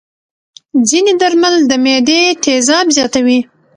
ځینې درمل د معدې تیزاب زیاتوي.